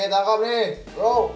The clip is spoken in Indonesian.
nih tangkap nih bro